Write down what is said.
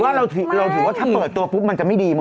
ว่าเราถือว่าถ้าเปิดตัวปุ๊บมันจะไม่ดีหมด